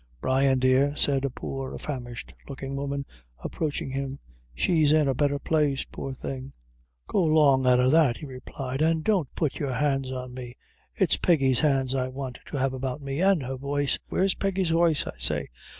"Brian, dear," said a poor famished looking woman approaching him, "she's in a betther place, poor thing." "Go long out o' that," he replied, "and don't put your hands on me. It's Peggy's hands I want to have about me, an' her voice. Where's Peggy's voice, I say?